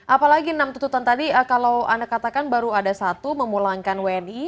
apalagi enam tuntutan tadi kalau anda katakan baru ada satu memulangkan wni